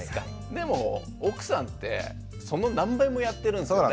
でも奥さんってその何倍もやってるんですよね。